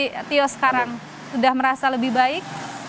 satrio sekarang sudah merasa lebih baik